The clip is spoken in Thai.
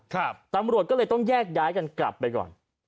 ตำรวจก็เลยต้องแยกย้ายกันกลับไปก่อน